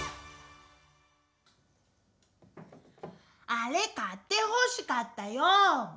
あれ買ってほしかったよう！